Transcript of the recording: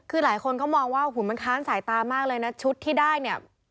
คือหลายคนก็มองว่าหุ่นมันค้านสายตามากเลยนะชุดที่ได้เนี่ย